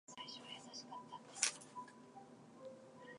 Plus, I enjoy seeing the artists perform and their visual aesthetics.